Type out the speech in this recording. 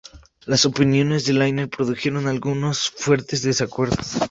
Las opiniones de Lanier produjeron algunos fuertes desacuerdos.